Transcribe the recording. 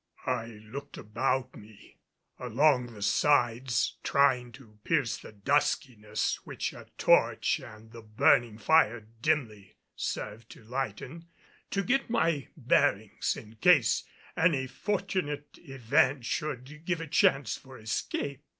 I looked about me, along the sides, trying to pierce the duskiness, which a torch and the burning fire dimly served to lighten, to get my bearings in case any fortunate event should give a chance for escape.